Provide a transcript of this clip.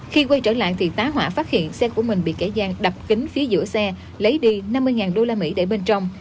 khi quay trở lại thì tá hỏa phát hiện xe của mình bị kẻ gian đập kính phía giữa xe lấy đi năm mươi usd để bên trong